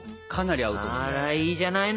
あらいいじゃないの！